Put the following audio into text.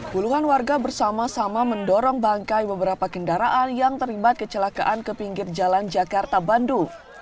puluhan warga bersama sama mendorong bangkai beberapa kendaraan yang terlibat kecelakaan ke pinggir jalan jakarta bandung